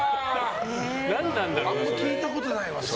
あんまり聞いたことないわ。